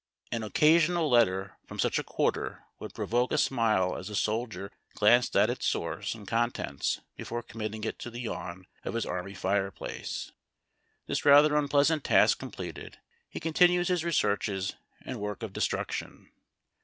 An occasional letter from such a quarter would provoke a smile as tlie soldier glanced at its source and contents Ijefore committing it to the yawn of his army fireplace. This rather impleasant task completed, he continues his researches and work of destruction.